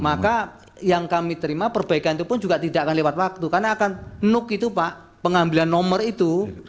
maka yang kami terima perbaikan itu pun juga tidak akan lewat waktu karena akan nuk itu pak pengambilan nomor itu